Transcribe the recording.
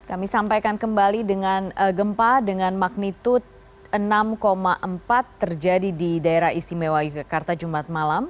kami sampaikan kembali dengan gempa dengan magnitud enam empat terjadi di daerah istimewa yogyakarta jumat malam